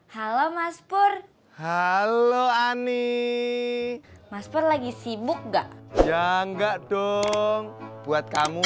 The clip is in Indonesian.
halo mas pur halo ami mas pur lagi sibuk nggak ya enggak dong buat kamu